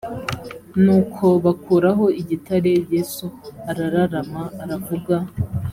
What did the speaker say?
nuko bakuraho igitare yesu arararama aravuga